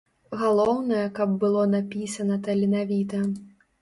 Галоўнае, каб было напісана таленавіта.